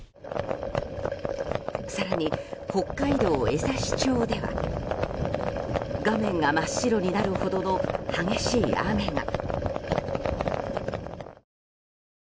更に、北海道江差町では画面が真っ白になるほどの激しい雨が。